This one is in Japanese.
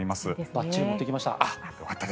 ばっちり持ってきました。